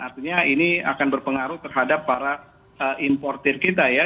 artinya ini akan berpengaruh terhadap para importer kita ya